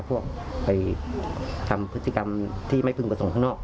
ไปทำพฤติกรรมที่ไม่คืนผสมข้างนอก